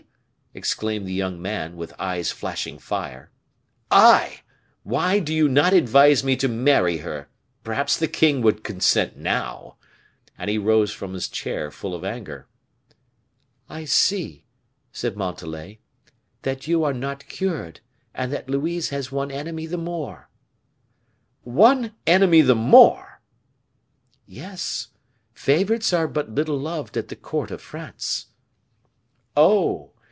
exclaimed the young man, with eyes flashing fire; "I! Why do you not advise me to marry her? Perhaps the king would consent now." And he rose from his chair full of anger. "I see," said Montalais, "that you are not cured, and that Louise has one enemy the more." "One enemy the more!" "Yes; favorites are but little beloved at the court of France." "Oh!